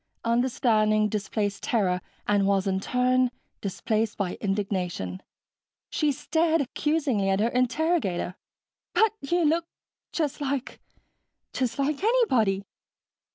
Understanding displaced terror and was, in turn, displaced by indignation. She stared accusingly at her interrogator. "But you look just like ... just like anybody."